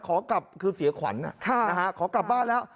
ขอกลับคือเสียขวัญขอกลับบ้านแล้ว